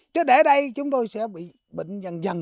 chứ để ở đây chúng tôi sẽ bị bệnh dần dần